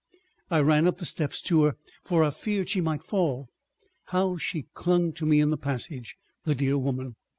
I ran up the steps to her, for I feared she might fall. How she clung to me in the passage, the dear woman!